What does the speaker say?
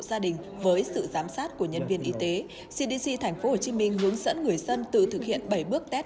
gia đình với sự giám sát của nhân viên y tế cdc tp hcm hướng dẫn người dân tự thực hiện bảy bước tết